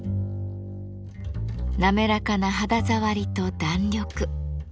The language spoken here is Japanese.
滑らかな肌触りと弾力。